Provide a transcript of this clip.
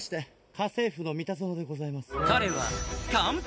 家政夫の三田園でございます。